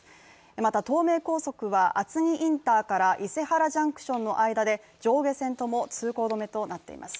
また、東名高速は厚木インターから伊勢原ジャンクションの間で上下線とも通行止めとなっています。